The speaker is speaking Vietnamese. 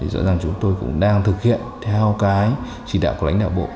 rõ ràng chúng tôi cũng đang thực hiện theo cái chỉ đạo của lãnh đạo bộ